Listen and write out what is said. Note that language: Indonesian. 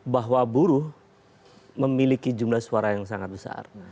bahwa buruh memiliki jumlah suara yang sangat besar